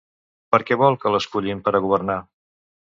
Per què vol que l'escullin per a governar?